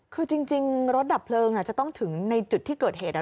คือจริงรถดับเพลิงจะต้องถึงในจุดที่เกิดเหตุ